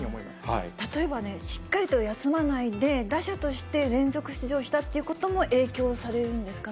例えばね、しっかりと休まないで、打者として連続出場したっていうことも影響されるんですかね。